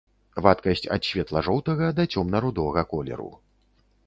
Вадкасць ад светла-жоўтага да цёмна-рудога колеру.